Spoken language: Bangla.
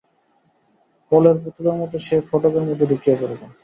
কলের পুতুলের মতো সে ফটকের মধ্যে ঢুকিয়া পড়িল।